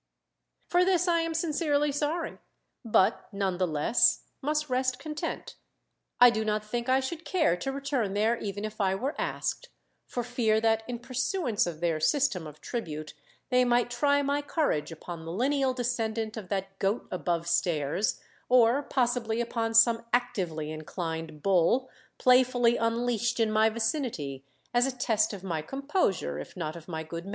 For this I am sincerely sorry, but none the less must rest content. I do not think I should care to return there even if I were asked, for fear that in pursuance of their system of tribute they might try my courage upon the lineal descendant of that goat above stairs, or possibly upon some actively inclined bull, playfully unleashed in my vicinity as a test of my composure if not of my good manners.